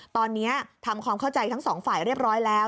ตอนนี้ทำความเข้าใจทั้งสองฝ่ายเรียบร้อยแล้ว